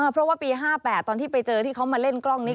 เพราะว่าปี๕๘ตอนที่ไปเจอที่เขามาเล่นกล้องนี้